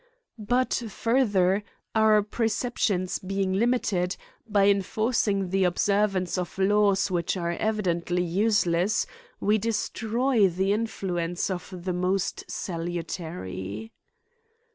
But further, our preceptions be ing limited, by enforcing the observance of laws which are evidently useless, we destroy the in fluence of the most salutary.